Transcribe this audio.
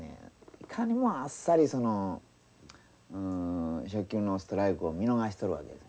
いかにもあっさりそのうん初球のストライクを見逃しとるわけです。